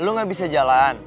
lo gak bisa jalan